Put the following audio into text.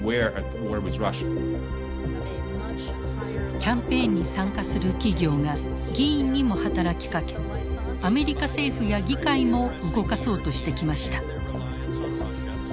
キャンペーンに参加する企業が議員にも働きかけアメリカ政府や議会も動かそうとしてきました。